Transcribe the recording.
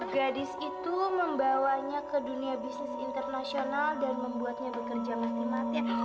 gadis itu membawanya ke dunia bisnis internasional dan membuatnya bekerja mati matian